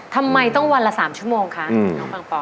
ทำไมต้องวันละ๓ชั่วโมงคะน้องปังปอ